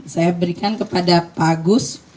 saya berikan kepada pak agus